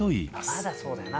まだそうだよな。